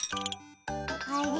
あれ？